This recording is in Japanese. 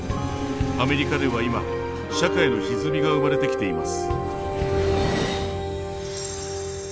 アメリカでは今社会のひずみが生まれてきています。